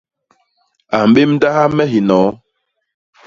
A mbémdaha me hinoo.